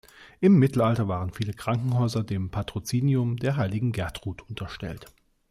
Im Mittelalter waren viele Krankenhäuser dem Patrozinium der heiligen Gertrud unterstellt.